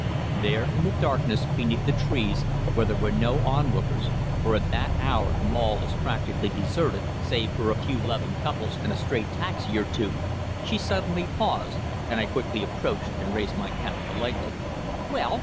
There in the darkness, beneath the trees, where there were no onlookers for at that hour the Mall is practically deserted, save for a few loving couples and a stray taxi or two she suddenly paused, and I quickly approached and raised my cap politely. "Well?"